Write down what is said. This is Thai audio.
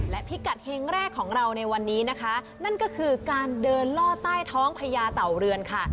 และพิกัดเฮงแรกของเราในวันนี้นะคะนั่นก็คือการเดินล่อใต้ท้องพญาเต่าเรือนค่ะ